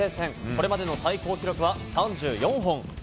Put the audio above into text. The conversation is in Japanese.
これまでの最高記録は、３４本。